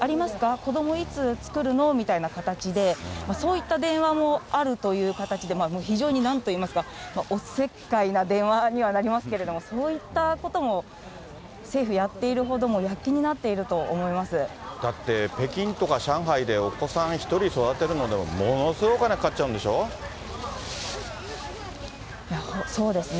子ども、いつつくるの？みたいな形で、そういった電話もあるという形で、非常になんと言いますか、おせっかいな電話にはなりますけれども、そういったことも政府、やっているほど、だって、北京とか上海でお子さん１人育てるのでもものすごくお金かかっちそうですね。